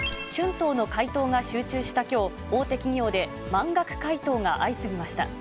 春闘の回答が集中したきょう、大手企業で満額回答が相次ぎました。